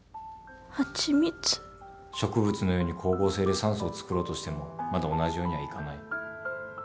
植物のように光合成で酸素をつくろうとしてもまだ同じようにはいかない。